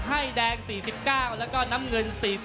ให้แดง๔๙แล้วก็น้ำเงิน๔๐